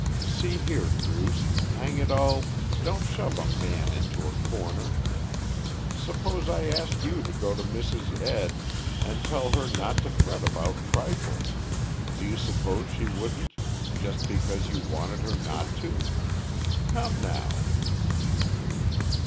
"See here, Druce, hang it all, don't shove a man into a corner. Suppose I asked you to go to Mrs. Ed. and tell her not to fret about trifles, do you suppose she wouldn't, just because you wanted her not to? Come now!"